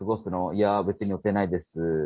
「いや別に予定ないです」